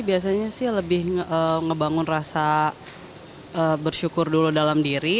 biasanya sih lebih ngebangun rasa bersyukur dulu dalam diri